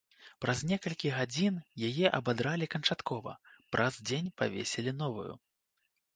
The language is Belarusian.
Праз некалькі гадзін яе абадралі канчаткова, праз дзень павесілі новую.